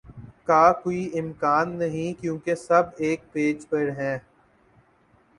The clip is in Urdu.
کا کوئی امکان نہیں کیونکہ سب ایک پیج پر ہیں